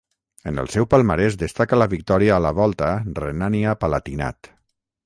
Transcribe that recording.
En el seu palmarès destaca la victòria a la Volta a Renània-Palatinat.